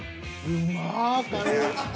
うまっ。